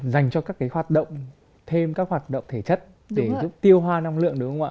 dành cho các cái hoạt động thêm các hoạt động thể chất để giúp tiêu hoa năng lượng đúng không ạ